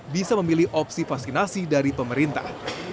bisa memilih opsi vaksinasi dari pemerintah